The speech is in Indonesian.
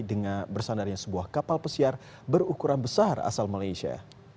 dengan bersandarnya sebuah kapal pesiar berukuran besar asal malaysia